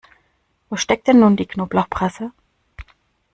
Wo steckt denn nun die Knoblauchpresse?